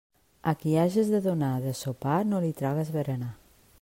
A qui hages de donar de sopar no li tragues berenar.